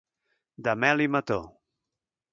De mel i mató.